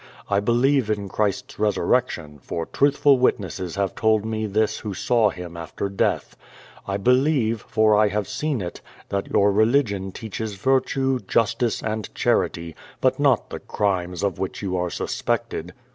I believe in Christ's resurrection, for truthful witnesses have told me this who saw Him after death. I believe, for I have seen it, that your religion teaches virtue, justice and charity, but not the crimes of which you are suspected.